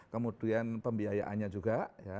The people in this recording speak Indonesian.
kemudian pembiayaannya juga